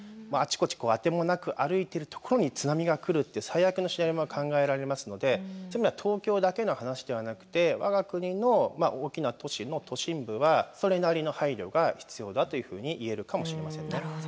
あちこちあてもなく歩いてるところに津波が来るって最悪のシナリオが考えられますのでそういう意味では東京だけの話ではなくて我が国の大きな都市の都心部はそれなりの配慮が必要だというふうに言えるかもしれませんね。